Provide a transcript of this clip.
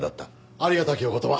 ありがたきお言葉。